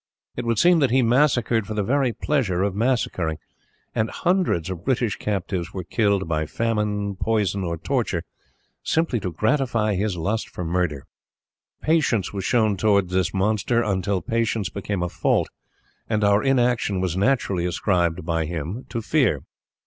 It would seem that he massacred for the very pleasure of massacring, and hundreds of British captives were killed by famine, poison, or torture, simply to gratify his lust for murder. Patience was shown towards this monster until patience became a fault, and our inaction was naturally ascribed by him to fear.